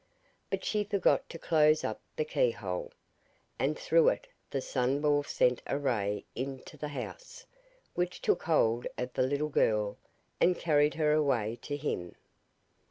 But she forgot to close up the keyhole, and through it the Sunball sent a ray into the house, which took hold of the little girl and carried her away to him.